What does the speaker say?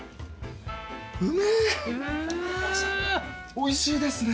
おいしいですね。